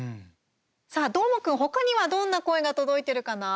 さあ、どーもくん、ほかにはどんな声が届いてるかな？